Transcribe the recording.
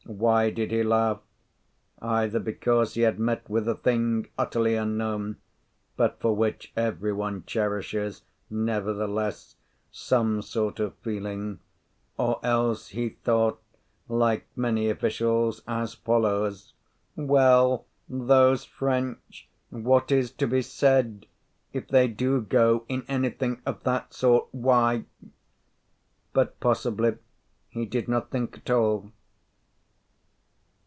Why did he laugh? Either because he had met with a thing utterly unknown, but for which every one cherishes, nevertheless, some sort of feeling; or else he thought, like many officials, as follows: "Well, those French! What is to be said? If they do go in anything of that sort, why " But possibly he did not think at all.